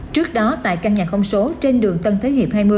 trước đó tại căn nhà không số trên đường tân thế hiệp hai mươi